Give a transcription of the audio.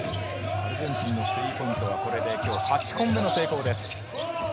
アルゼンチンのスリーポイントはこれで８本目の成功です。